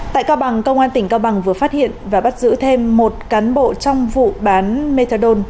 tại cao bằng công an tỉnh cao bằng vừa phát hiện và bắt giữ thêm một cán bộ trong vụ bán methadone